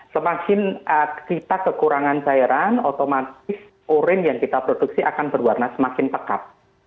semakin kita kekurangan cairan otomatis urin yang kita produksi akan berwarna semakin pekat